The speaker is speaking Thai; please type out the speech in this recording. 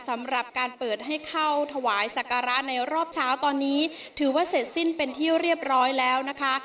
สำหรับการเปิดให้เข้าถวายสักการะในรอบเช้าตอนนี้ถือว่าเสร็จสิ้นเป็นที่เรียบร้อยแล้วนะคะ